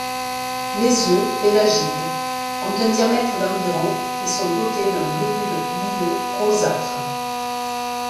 Les œufs, pélagiques, ont un diamètre d'environ et sont dotés d'un globule huileux rosâtre.